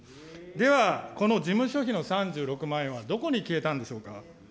では、この事務所費の３６万円はどこに消えたんでしょうか。